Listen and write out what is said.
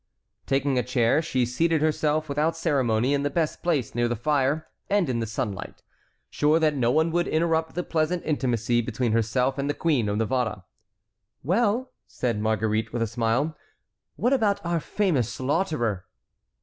Taking a chair she seated herself without ceremony in the best place near the fire and in the sunlight, sure that no one would interrupt the pleasant intimacy between herself and the Queen of Navarre. "Well," said Marguerite, with a smile, "what about our famous slaughterer?"